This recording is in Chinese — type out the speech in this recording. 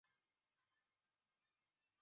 往七星公园